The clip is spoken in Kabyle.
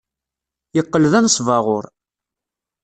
Yeqqel d anesbaɣur.